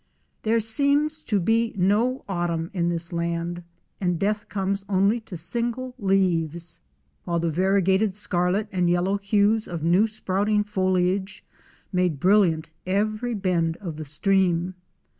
There seems to be no autumn in this land, and death comes only to single leaves, while the variegated scarlet and yellow hues of new sprouting foliage made brilliant every bend of the stream.